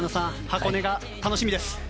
箱根が楽しみです。